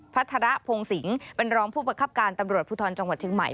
พระธรพงศิงเป็นรองผู้ประคับการตำรวจภูทรจังหวัดเชียงใหม่